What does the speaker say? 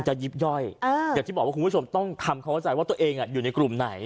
ยิบย่อยอย่างที่บอกว่าคุณผู้ชมต้องทำความเข้าใจว่าตัวเองอยู่ในกลุ่มไหน